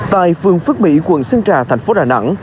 tại phương phước mỹ quận sơn trà tp đà nẵng